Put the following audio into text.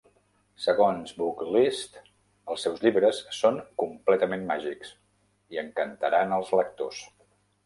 Segons "Booklist", els seus llibres són "completament màgics" i encantaran els lectors.